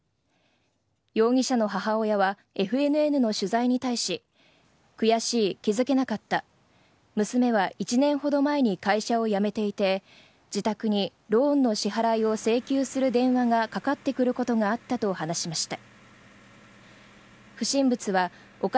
容疑者の母親はＦＮＮの取材に対し悔しい、気付けなかった娘は１年ほど前に会社を辞めていて自宅にローンの支払いを請求する電話がかかってくることがあったと話しました。